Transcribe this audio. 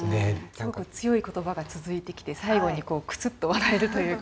すごく強い言葉が続いてきて最後にクスッと笑えるというか。